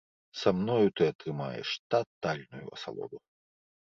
Са мною ты атрымаеш татальную асалоду.